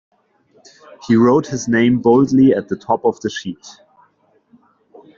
He wrote his name boldly at the top of the sheet.